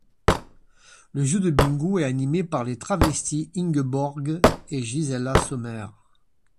Le jeu de Bingo est animé par les travestis Inge Borg et Gisela Sommer.